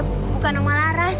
bukan oma laras